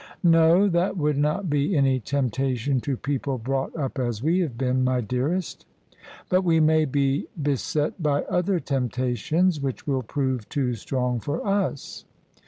" No: that would not be any temptation to people brought up as we have been, my dearest. But we may be beset by other temptations which will prove too strong for us.